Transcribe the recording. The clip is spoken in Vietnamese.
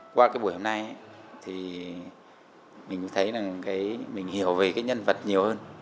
qua cái buổi hôm nay thì mình thấy là mình hiểu về cái nhân vật nhiều hơn